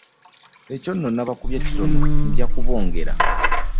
Ekyo nno nabakubye kitono nja kubongera.